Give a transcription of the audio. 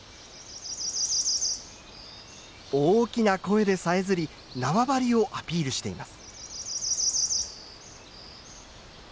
大きな声でさえずり縄張りをアピールしています。